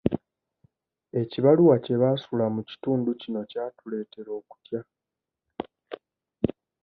Ekibaluwa kye baasuula mu kitundu kino kyatuleetera okutya.